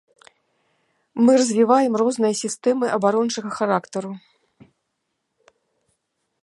Мы развіваем розныя сістэмы абарончага характару.